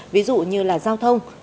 ví dụ như là giao thông